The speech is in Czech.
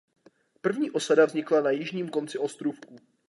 První osada vznikla na jižním konci ostrůvku.